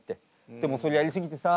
でもそれやりすぎてさ